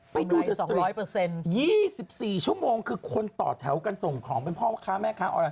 ไปดูเดี๋ยวสิ่งนี้๒๔ชั่วโมงคือคนต่อแถวกันส่งของเป็นพ่อค้าแม่ค้า